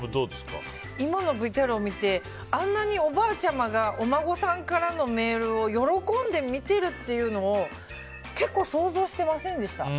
今のＶＴＲを見てあんなにおばあちゃんがお孫さんからのメールを喜んで見てるっていうのを結構、想像していませんでした。